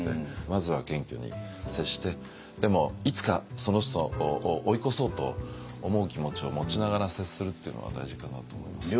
まずは謙虚に接してでもいつかその人を追い越そうと思う気持ちを持ちながら接するっていうのは大事かなと思います。